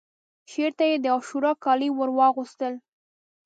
شعر ته یې د عاشورا کالي ورواغوستل